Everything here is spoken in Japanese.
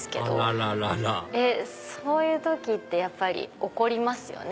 あらららそういう時って怒りますよね。